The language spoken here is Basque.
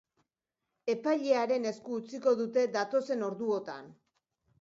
Epailearen esku utziko dute datozen orduotan.